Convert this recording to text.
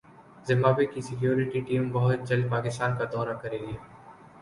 Zimbabwe کی security team بہت جلد پاکستان کا دورہ کریگی